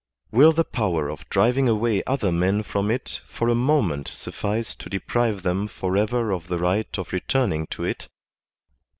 Will the i)ower of driving away other men from it for a moment suffice to deprive them for ever of the right of returning to it